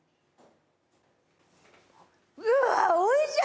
うわっおいしい！